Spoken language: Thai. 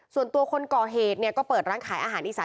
ส่วนตัวคนก่อเหตุเนี่ยก็เปิดร้านขายอาหารอีสาน